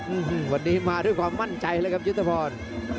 อืมวันนี้มาด้วยความมั่นใจเลยครับยุทธพร